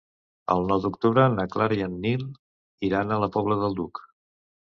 El nou d'octubre na Clara i en Nil iran a la Pobla del Duc.